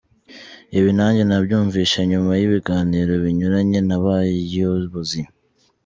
Ibi nanjye nabyumvise nyuma y’ibiganiro binyuranye n’abayobozi.